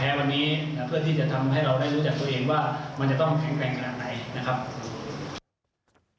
วันนี้เพื่อที่จะทำให้เราได้รู้จักตัวเองว่ามันจะต้องแข็งแรงขนาดไหนนะครับ